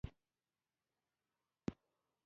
د جهاد اوبو راوړو پیسو شمېر لا زیات کړ.